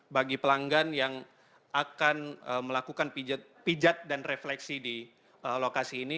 bagi pelanggan yang akan melakukan pijat dan refleksi di lokasi ini